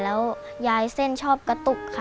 แล้วยายเส้นชอบกระตุกค่ะ